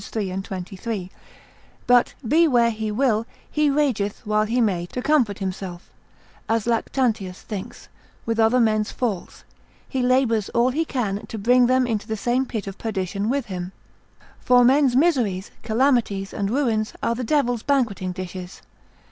3 et 23; but be where he will, he rageth while he may to comfort himself, as Lactantius thinks, with other men's falls, he labours all he can to bring them into the same pit of perdition with him. For men's miseries, calamities, and ruins are the devil's banqueting dishes.